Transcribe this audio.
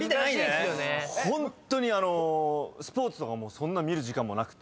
ホントにスポーツとかもそんな見る時間もなくて。